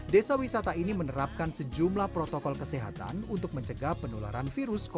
desa wisata ini menerapkan sejumlah protokol kesehatan untuk mencegah penularan virus corona